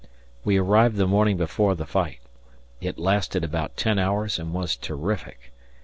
We arrived the morning before the fight. It lasted about ten hours and was terrific.